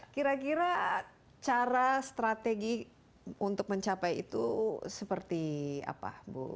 kira kira cara strategi untuk mencapai itu seperti apa bu